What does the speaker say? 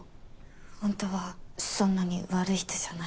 ホントはそんなに悪い人じゃない。